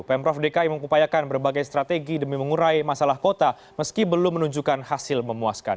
pemprov dki mengupayakan berbagai strategi demi mengurai masalah kota meski belum menunjukkan hasil memuaskan